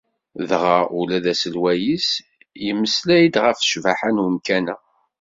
Dɣa ula d aselway-is yemmeslay-d ɣef ccbaḥa n umkan-a.